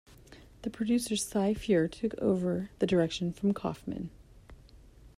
The producer Cy Feuer took over the direction from Kaufman.